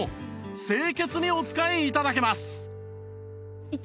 清潔にお使い頂けます！